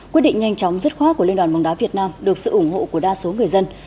quyết định nhanh chóng dứt khoác của liên đoàn bóng đá việt nam được sự ủng hộ của đa số người dân